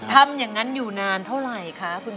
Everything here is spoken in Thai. ทำอย่างนั้นอยู่นานเท่าไหร่คะคุณพ่อ